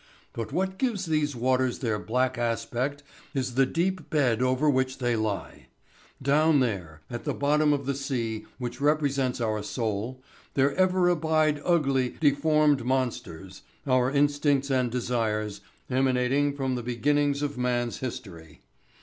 But what gives these waters their black aspect is the deep bed over which they lie. Down there, at the bottom of the sea which represents our soul, there ever abide ugly, deformed monsters our instincts and desires emanating from the beginnings of man's history.